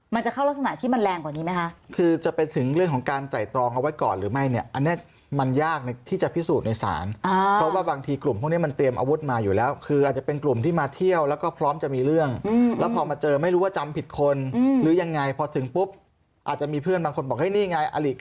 มันจะเข้ารักษณะที่มันแรงกว่านี้ไหมคะคือจะไปถึงเรื่องของการไตรตรองเอาไว้ก่อนหรือไม่เนี่ยอันนี้มันยากที่จะพิสูจน์ในศาลเพราะว่าบางทีกลุ่มพวกนี้มันเตรียมอาวุธมาอยู่แล้วคืออาจจะเป็นกลุ่มที่มาเที่ยวแล้วก็พร้อมจะมีเรื่องแล้วพอมาเจอไม่รู้ว่าจำผิดคนหรือยังไงพอถึงปุ๊บอาจจะมีเพื่อนบางคนบอก